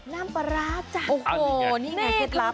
น้ำปลาร้าจ้ะโอ้โหนี่ไงเคล็ดลับ